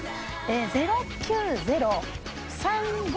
０９０３５４。